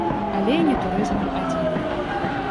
Але не турызмам адзіным.